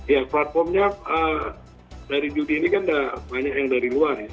ya platformnya dari judi ini kan banyak yang dari luar ya